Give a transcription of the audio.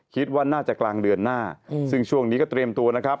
คิดว่าน่าจะกลางเดือนหน้าซึ่งช่วงนี้ก็เตรียมตัวนะครับ